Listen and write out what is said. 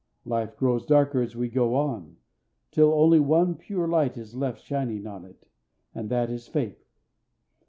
Life grows darker as we go on, till only one pure light is left shining on it, and that is faith.